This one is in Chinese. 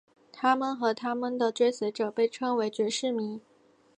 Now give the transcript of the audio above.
他们和他们的追随者被称为爵士迷。